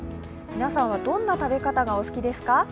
皆さんはどんな食べ方がお好きですか？